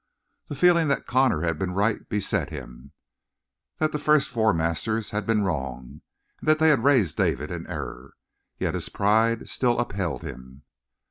The feeling that Connor had been right beset him: that the four first masters had been wrong, and that they had raised David in error. Yet his pride still upheld him.